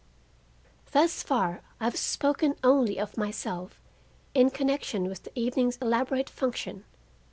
Thus far I have spoken only of myself in connection with the evening's elaborate function.